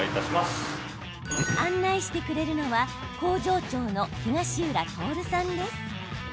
案内してくれるのは工場長の東浦徹さんです。